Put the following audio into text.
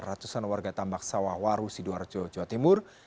ratusan warga tambak sawah waru sidoarjo jawa timur